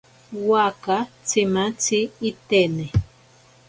Waaka tsimatzi itene.